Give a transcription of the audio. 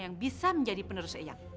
yang bisa menjadi penerus iyak